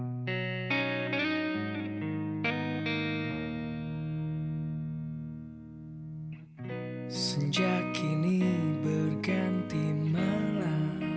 nah aku akan mengambilnya